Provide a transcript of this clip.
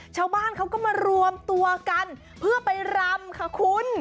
ชาวบ้านเขาก็มารวมตัวกันเพื่อไปรำค่ะคุณ